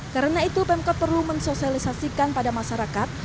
karena itu pemkot perlu mensosialisasikan pada masyarakat